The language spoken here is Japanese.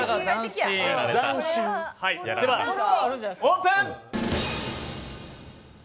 オープン！